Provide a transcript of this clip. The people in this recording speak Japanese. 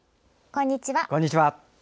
こんにちは。